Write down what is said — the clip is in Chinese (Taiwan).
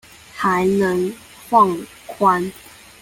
還能放寬